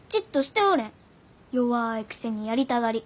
弱いくせにやりたがり。